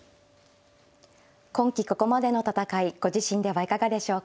今期ここまでの戦いご自身ではいかがでしょうか。